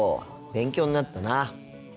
勉強になったな。